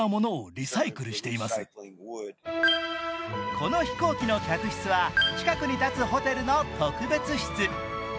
この飛行機の客席は近くに建つホテルの特別室。